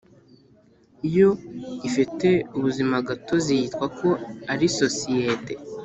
Iyo ifite ubuzimagatozi yitwa ko ari sosiyete